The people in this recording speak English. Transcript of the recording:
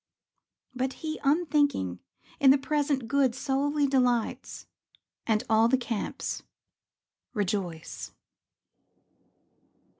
But he, unthinking, in the present good Solely delights, and all the camps rejoice.